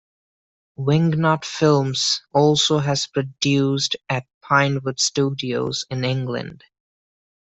WingNut films also has produced at Pinewood Studios in England.